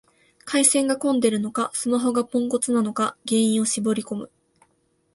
回線が混んでるのか、スマホがポンコツなのか原因を絞りこむ